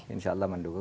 insya allah mendukung